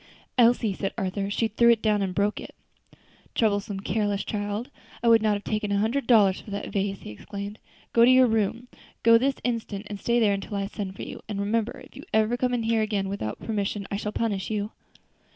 "Elsie," said Arthur; "she threw it down and broke it." "Troublesome, careless child! I would not have taken a hundred dollars for that vase," he exclaimed. "Go to your room! go this instant, and stay there until I send for you; and remember, if you ever come in here again without permission I shall punish you."